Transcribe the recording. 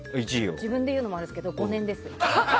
自分で言うのもあれですが５年です！